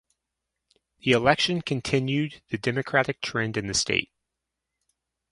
This election continued the Democratic trend in the state.